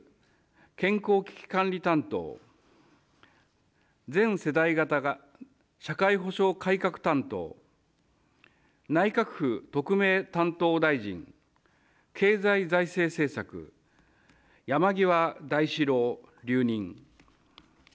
・健康危機管理担当、全世代型社会保障改革担当、内閣府特命担当大臣、経済財政政策、山際大志郎留任。